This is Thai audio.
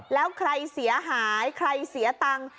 แล้วใครเสียหายใครเสียตังค์